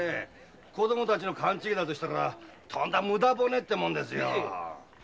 子供たちの勘違いならとんだ無駄骨ってもんですよ。